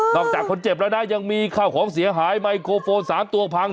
จากคนเจ็บแล้วนะยังมีข้าวของเสียหายไมโครโฟน๓ตัวพัง